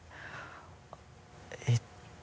えっと。